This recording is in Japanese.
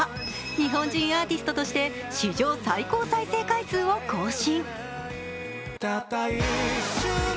日本人アーティストとして史上最高再生回数を更新。